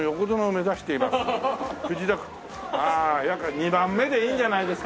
２番目でいいんじゃないですか？